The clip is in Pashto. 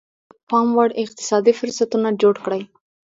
خلکو ته پاموړ اقتصادي فرصتونه جوړ کړي.